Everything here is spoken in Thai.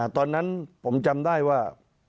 ตอนนั้นผมจำได้ว่า